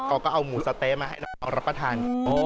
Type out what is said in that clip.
เขาก็เอาหมูสะเต๊ะมาให้เอารับประทาน